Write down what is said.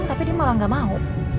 tapi dia malah gak mau